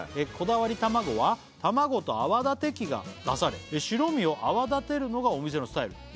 「こだわり卵は卵と泡立て器が出され」「白身を泡立てるのがお店のスタイル」